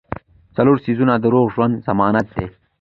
څلور څيزونه د روغ ژوند ضمانت دي -